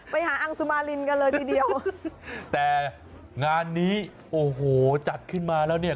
ไปหาอังสุมารินกันเลยทีเดียวแต่งานนี้โอ้โหจัดขึ้นมาแล้วเนี่ย